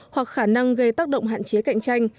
hoặc khả năng gây tác động hạn chế cạnh tranh